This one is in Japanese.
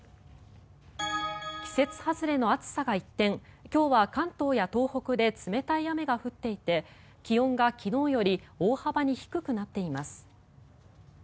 季節外れの暑さが一転今日は関東や東北で冷たい雨が降っていて気温が昨日より大幅に低くなっています。